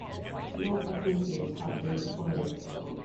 No fatalities have been recorded so far.